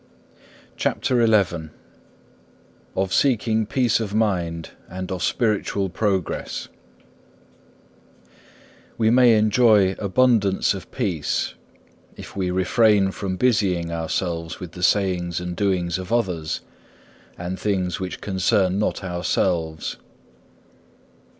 CHAPTER XI Of seeking peace of mind and of spiritual progress We may enjoy abundance of peace if we refrain from busying ourselves with the sayings and doings of others, and things which concern not ourselves.